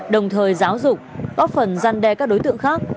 đồng thời giáo dục góp phần gian đe các đối tượng khác